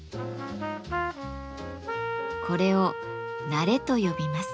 これを「なれ」と呼びます。